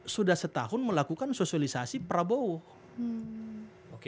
sudah setahun melakukan sosialisasi prabowo